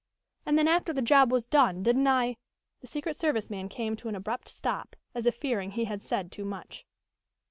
And then after the job was done, didn't I " The secret service man came to an abrupt stop, as if fearing he had said too much.